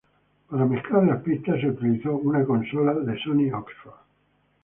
Para mezclar las pistas, una consola de Sony Oxford fue utilizado.